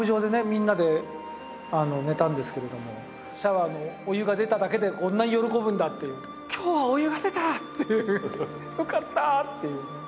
みんなで寝たんですけれどもシャワーのお湯が出ただけでこんなに喜ぶんだっていう「今日はお湯が出た！」っていう「よかった」っていうね